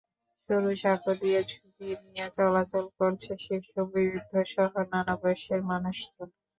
সরু সাঁকো দিয়ে ঝুঁকি নিয়ে চলাচল করছে শিশু, বৃদ্ধসহ নানা বয়সের মানুষজন।